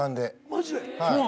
マジで？